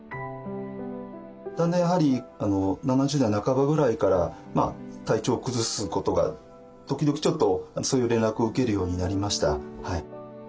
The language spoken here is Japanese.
だんだんやはり７０代半ばぐらいから体調を崩すことが時々ちょっとそういう連絡を受けるようになりました。